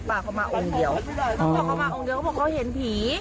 มาเขามาองค์เดียวเขาบอกเขามาองค์เดียวเขาบอกเขาเห็นผี